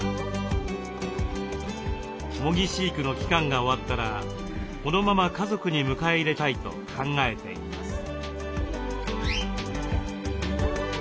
模擬飼育の期間が終わったらこのまま家族に迎え入れたいと考えています。